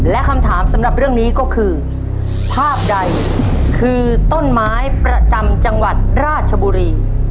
และคำถามสำหรับเรื่องนี้ก็คือภาพใดคือต้นไม้ประจำจังหวัดราชบุรี